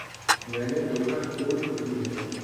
میں نے پوچھا کیوں چھٹی ہے